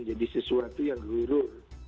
jadi sesuatu yang lurut